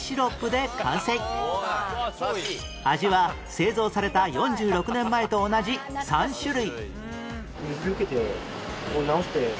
味は製造された４６年前と同じ３種類